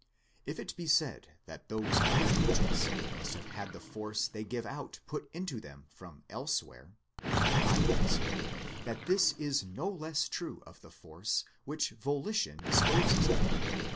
If it be said that those other agents must have had the force they give out put into them from elsewhere, I answer, that this is no less true of the force which volition disposes of.